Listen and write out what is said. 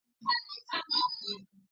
这种酶以下的化学反应进行酶催化。